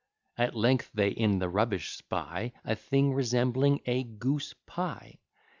At length they in the rubbish spy A thing resembling a goose pie.